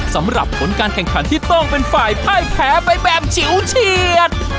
สำหรับผลการแข่งขันที่ต้องเป็นฝ่ายพ่ายแพ้ไปแบบฉิวเฉียด